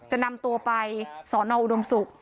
จะนำตัวไปสอนอาวุฏมสุข